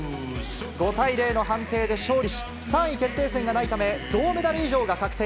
５対０の判定で勝利し、３位決定戦がないため、銅メダル以上が確定。